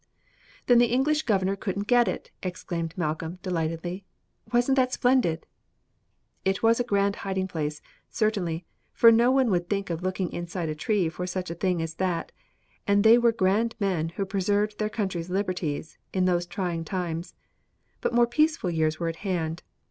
"Then the English governor couldn't get it!" exclaimed Malcolm, delightedly. "Wasn't that splendid?" "It was a grand hiding place, certainly, for no one would think of looking inside a tree for such a thing as that, and they were grand men who preserved their country's liberties in those trying times. But more peaceful years were at hand.